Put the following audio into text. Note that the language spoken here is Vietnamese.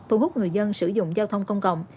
thu hút người dân sử dụng giao thông công cộng